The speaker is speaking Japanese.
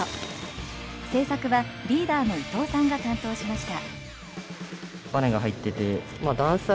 製作はリーダーの伊藤さんが担当しました。